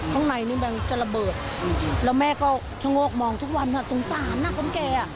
ข้างในนี้มันจะระเบิดแล้วแม่ก็ชงอกมองทุกวันต้องสารหน้ากับแกอ่ะ